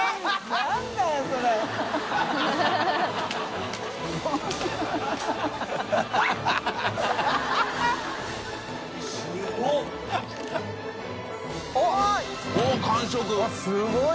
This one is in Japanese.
叩すごい！